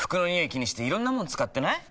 気にしていろんなもの使ってない？